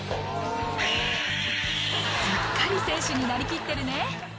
すっかり選手になりきってるね